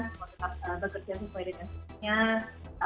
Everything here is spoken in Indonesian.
semua tetap bekerja secara secara identitas